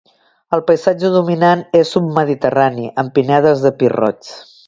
El paisatge dominant és submediterrani, amb pinedes de pi roig.